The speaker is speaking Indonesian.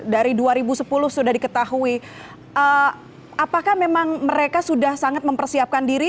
dari dua ribu sepuluh sudah diketahui apakah memang mereka sudah sangat mempersiapkan diri